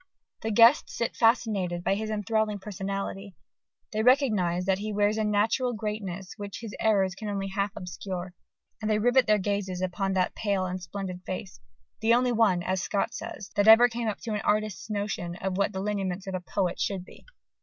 The guests sit fascinated by his enthralling personality: they recognize that he wears a natural greatness which "his errors can only half obscure:" and they rivet their gaze upon that pale and splendid face, the only one, as Scott says, that ever came up to an artist's notion of what the lineaments of a poet should be.